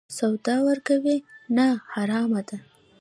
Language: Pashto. سود ورکوي؟ نه، حرام ده